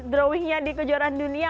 drawingnya di kejuaraan dunia